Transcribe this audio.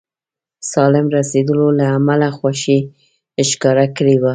سالم رسېدلو له امله خوښي ښکاره کړې وه.